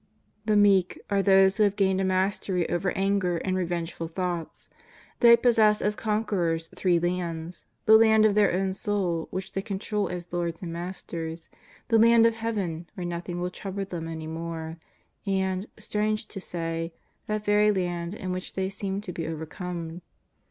The meek are those who have gained a mastery over anger and revengeful thoughts. They possess as con querors three lands — the land of their own soul, which they control as lords and masters, the Land of Heaven, where nothing will trouble them any more, and, strange to say, that very land in which they seemed to be over come.